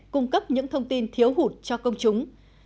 cung cấp những thông tin thiếu hụt cho công chúng